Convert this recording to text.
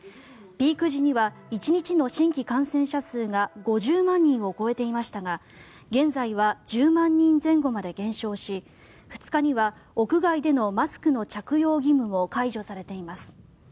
ピーク時には１日の新規感染者数が５０万人を超えていましたが現在は１０万人前後まで減少し２日には屋外でのマスクの着用義務も解除されています。